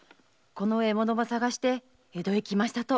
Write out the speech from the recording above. この獲物ば捜して江戸へ来ましたと。